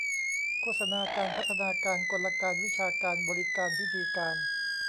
โฆษณาการ พัฒนาการ กลการ วิชาการ บริการ พิธีการ